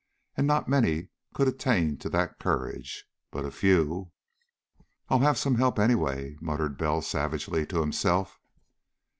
And not many could attain to that courage. But a few.... "I'll have some help, anyway," muttered Bell savagely to himself.